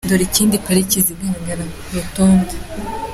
Dore izindi pariki zigaragara kuri uru rutonde.